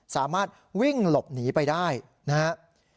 สามารถวิ่งหลบหนีไปได้นะครับ